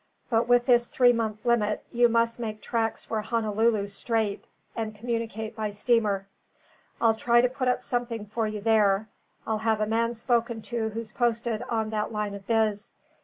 But with this three month limit, you must make tracks for Honolulu straight, and communicate by steamer. I'll try to put up something for you there; I'll have a man spoken to who's posted on that line of biz.